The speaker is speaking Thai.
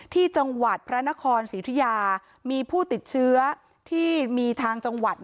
ที่จังหวัดพระนครศรีธุยามีผู้ติดเชื้อที่มีทางจังหวัด